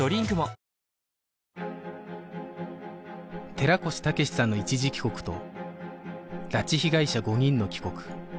寺越武志さんの一時帰国と拉致被害者５人の帰国